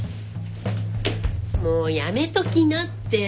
もうやめときなって。